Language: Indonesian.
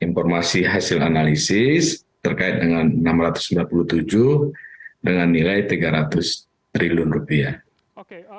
informasi hasil analisis terkait dengan rp enam ratus sembilan puluh tujuh dengan nilai tiga ratus triliun rupiah